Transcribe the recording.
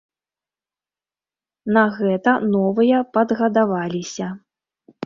На гэта новыя падгадаваліся.